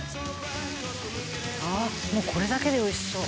「ああもうこれだけで美味しそう」